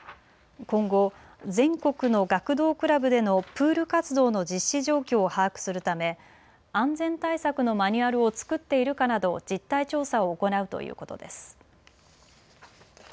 今後、全国の学童クラブでのプール活動の実施状況を把握するため安全対策のマニュアルを作っているかなど実態調査を行うということです。